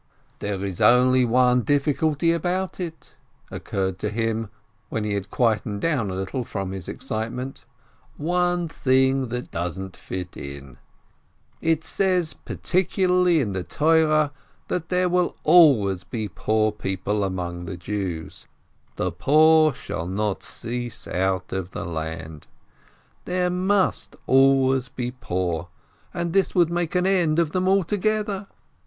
"There is only one difficulty about it," occurred to him, when he had quieted down a little from his excite ment, "one thing that doesn't fit in. It says particu THE MISFORTUNE 21 larly in the Torah that there will always be poor people among the Jews, 'the poor shall not cease out of the land.' There must always be poor, and this would make an end of them altogether!